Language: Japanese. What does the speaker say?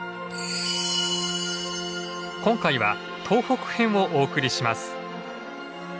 今回は東北編をお送りします。